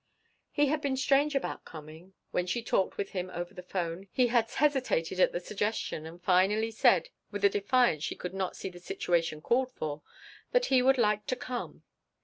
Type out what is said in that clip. He had been strange about coming; when she talked with him over the 'phone he had hesitated at the suggestion and finally said, with a defiance she could not see the situation called for, that he would like to come.